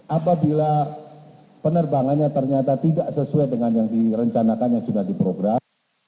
apabila penerbangannya ternyata tidak sesuai dengan yang direncanakan yang sudah diprogram